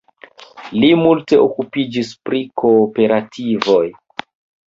Li multe okupiĝis pri kooperativoj.